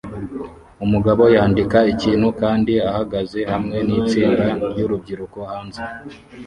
Umugabo yandika ikintu kandi ahagaze hamwe nitsinda ryurubyiruko hanze